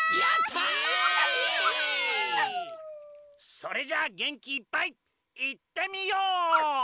それじゃあげんきいっぱいいってみよう！